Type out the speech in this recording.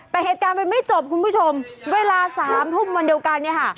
แต่เหตุการณ์มันไม่จบคุณผู้ชมเวลา๓ทุ่มวันเดียวกันเนี่ยค่ะ